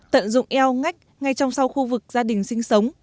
tận dụng eo ngách ngay trong sau khu vực gia đình sinh sống